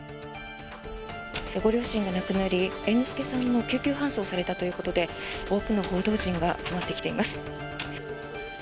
ご両親が亡くなり猿之助さんも救急搬送されたということで多くの報道陣が集まってきています。